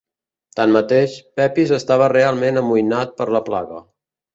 Tanmateix, Pepys estava realment amoïnat per la plaga.